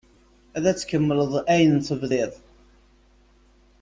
Ad tkemmleḍ ayen tebdiḍ.